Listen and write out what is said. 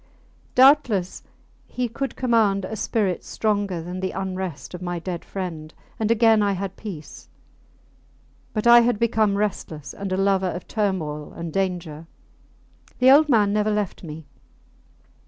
Doubtless he could command a spirit stronger than the unrest of my dead friend, and again I had peace; but I had become restless, and a lover of turmoil and danger. The old man never left me.